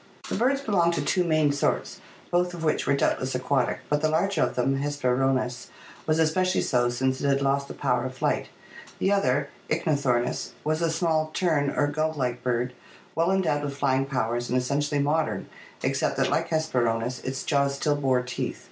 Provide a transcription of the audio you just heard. The birds belong to two main sorts, both of which were doubtless aquatic, but the larger of them, Hesperornis (see PL XV), was especially so, since it had lost the power of flight. The other, Ichthyornis, was a small tern or gull like bird well endowed with flying powers and essentially modern except that, like Hesperornis, its jaws still bore teeth.